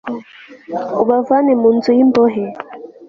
ubavane mu nzu y'imbohe